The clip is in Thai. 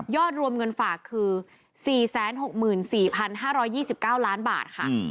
รวมเงินฝากคือ๔๖๔๕๒๙ล้านบาทค่ะ